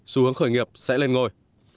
xu hướng khởi nghiệp sẽ lên ngôi